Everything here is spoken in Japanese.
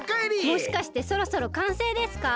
もしかしてそろそろかんせいですか？